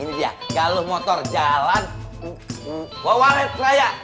ini dia galuh motor jalan walet raya